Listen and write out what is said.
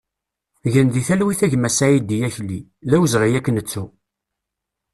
Gen di talwit a gma Saïdi Akli, d awezɣi ad k-nettu!